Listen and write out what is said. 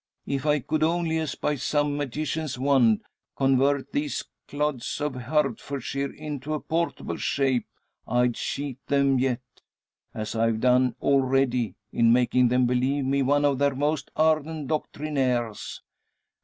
If I could only, as by some magician's wand, convert these clods of Herefordshire into a portable shape, I'd cheat them yet; as I've done already, in making them believe me one of their most ardent doctrinaires.